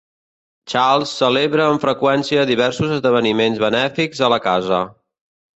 Charles celebra amb freqüència diversos esdeveniments benèfics a la casa.